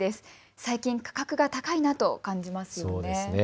最近価格が高いなと感じますよね。